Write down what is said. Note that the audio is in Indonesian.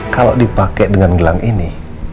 kalau dipakai dengan gelang ini